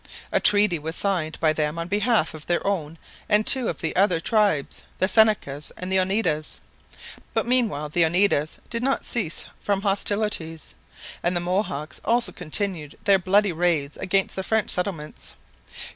A treaty was signed by them on behalf of their own and two of the other tribes, the Senecas and the Oneidas. But meanwhile the Oneidas did not cease from hostilities, and the Mohawks also continued their bloody raids against the French settlements.